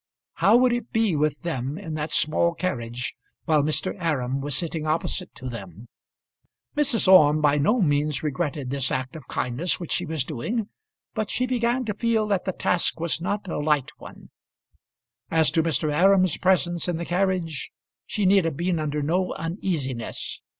How would it be with them in that small carriage while Mr. Aram was sitting opposite to them? Mrs. Orme by no means regretted this act of kindness which she was doing, but she began to feel that the task was not a light one. As to Mr. Aram's presence in the carriage, she need have been under no uneasiness.